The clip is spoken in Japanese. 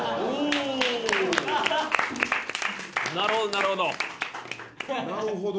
なるほどなるほど。